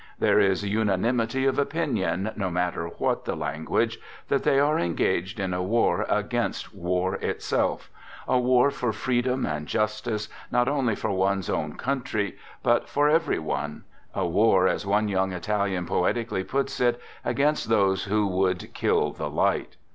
There is unanimity of opinion, no matter what the language, that they are engaged in a war against war itself; a war for freedom and* justice not only for one's own country but for every one; a war, as one young Italian poetically puts it, against those who would " kill the light."